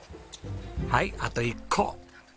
はいあと１個。